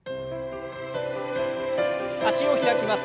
脚を開きます。